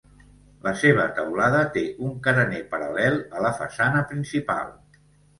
La seva teulada té un carener paral·lel a la façana principal.